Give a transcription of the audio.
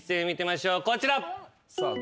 こちら。